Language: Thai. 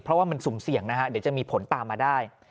เพราะว่ามันสุ่มเสี่ยงนะฮะเดี๋ยวจะมีผลตามมาได้